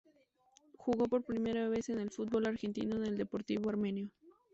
Jugó por última vez en el fútbol Argentino en el Deportivo Armenio.